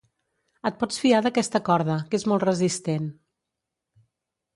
Et pots fiar d'aquesta corda, que és molt resistent.